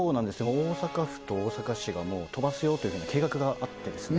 大阪府と大阪市がもう飛ばすよというふうに計画があってですね